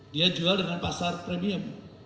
dia jual dengan pasar premium